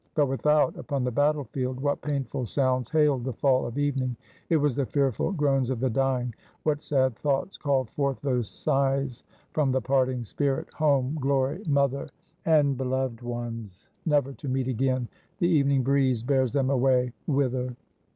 But without, upon the battle field, what painful sounds hailed the fall of evening? — it was the fearful groans of the dying! What sad thoughts called forth those sighs from the parting spirit! Home, glory, 356 AFTER THE BATTLE OF SZOLNOK mother, and beloved ones, — never to meet again! The evening breeze bears them away: whither?